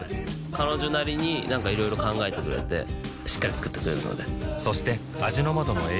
彼女なりになんかいろいろ考えてくれてしっかり作ってくれるのでそして味の素の栄養プログラム